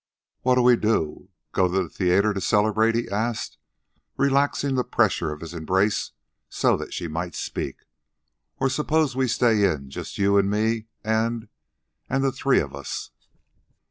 "What'll we do? Go to the theater to celebrate?" he asked, relaxing the pressure of his embrace so that she might speak. "Or suppose we stay in, just you and me, and... and the three of us?"